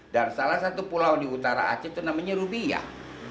dan salah satu pulau di utara aceh itu namanya rubiah